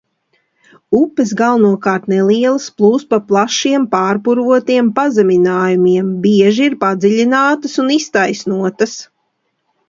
Upes galvenokārt nelielas, plūst pa plašiem pārpurvotiem pazeminājumiem, bieži ir padziļinātas un iztaisnotas.